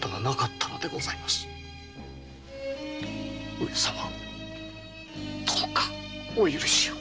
上様どうかお許しを。